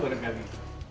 itu pada kami